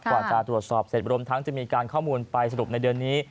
กว่าจะตรวจสอบเสร็จรวมทั้งจะมีการข้อมูลไปสรุปในเดือนนี้